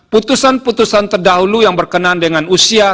putusan putusan terdahulu yang berkenaan dengan usia